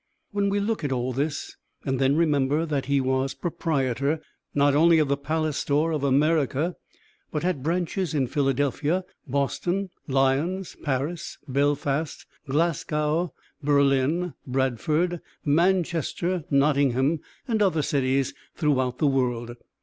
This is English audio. When we look at all this, and then remember that he was proprietor, not only of the palace store of America, but had branches in Philadelphia, Boston, Lyons, Paris, Belfast, Glasgow, Berlin, Bradford, Manchester, Nottingham, and other cities throughout the world.